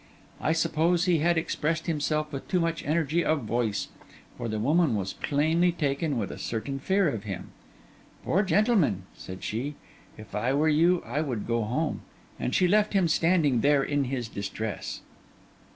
I suppose he had expressed himself with too much energy of voice; for the woman was plainly taken with a certain fear of him. 'Poor gentleman!' said she. 'If I were you, I would go home.' And she left him standing there in his distress.